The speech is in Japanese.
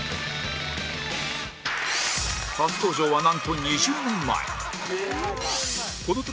初登場はなんと２０年前！